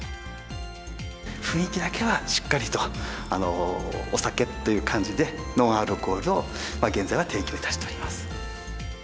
雰囲気だけはしっかりと、お酒という感じで、ノンアルコールを、現在は提供いたしております。